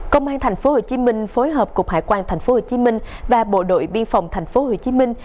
công an thành phố hồ chí minh phối hợp cục hải quan thành phố hồ chí minh và bộ đội biên phòng thành phố hồ chí minh